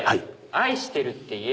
「愛してる」って言え。